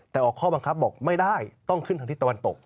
แต่ออกข้อบังคับบอกไม่ได้ต้องขึ้นทางที่ตะวันตก